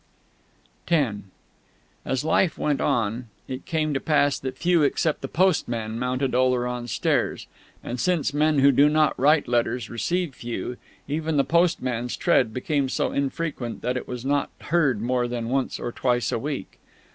X As time went on, it came to pass that few except the postman mounted Oleron's stairs; and since men who do not write letters receive few, even the postman's tread became so infrequent that it was not heard more than once or twice a week.